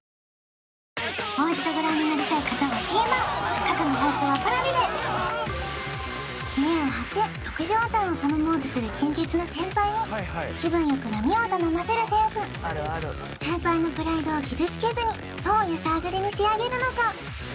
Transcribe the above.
新「アタックＺＥＲＯ」見栄を張って特上タンを頼もうとする金欠の先輩に気分よく並を頼ませるセンス先輩のプライドを傷つけずにどう安上がりに仕上げるのか？